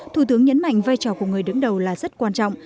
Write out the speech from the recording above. thủ tướng nhấn mạnh vai trò của người đứng đầu là rất quan trọng